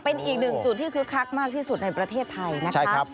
เป็นอีกหนึ่งจุดที่คึกคักมากที่สุดในประเทศไทยนะคะ